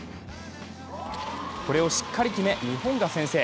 これをしっかり決め、日本が先制。